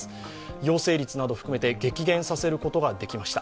陽性率など含めて激減させることができました。